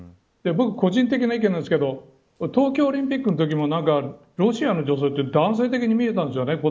僕、個人的な意見なんですけど東京オリンピックのときもロシアの女性は、男性的に見えたんですよね